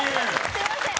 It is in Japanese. すいません。